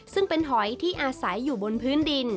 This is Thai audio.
ซึ่งเป็นหอยที่อาศัยอยู่บนพื้นดิน